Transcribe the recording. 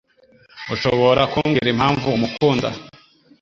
Ushobora kumbwira impamvu umukunda?